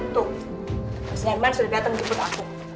tuh mas herman sudah datang menjemput aku